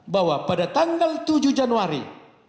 bahwa pada tanggal tujuh januari